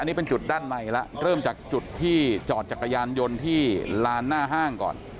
นี่เป็นจุดด้านในแล้วเริ่มจากจุดที่จอดจักรยานยนต์ที่ลานหน้าห้างก่อน